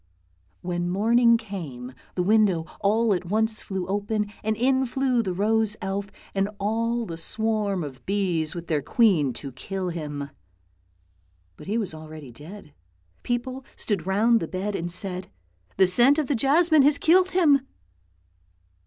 When morning came, the window all at once flew open, and in flew the rose elf and all the swarm of bees with their queen to kill him. But he was already dead; people stood round the bed and said, " The scent of the jasmine has killed him!